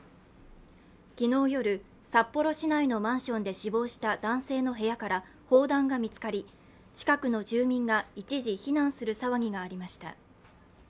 昨日夜、札幌市内のマンションで死亡した男性の部屋から砲弾が見つかり、近くの住民が一時避難する騒ぎがありました。